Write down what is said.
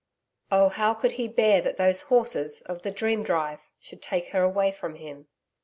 Oh, how could he bear that those horses, of the dream drive, should take her away from him!